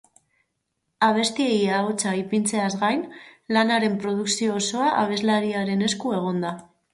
Abestiei ahotsa ipintzeaz gain, lanaren produkzio osoa abeslariaren esku egon da.